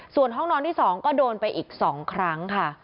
ส่วนห้องนอนที่๒ก็โดนไปอีก๒ครั้งค่ะ